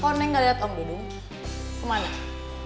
kok neng ga liat om dudung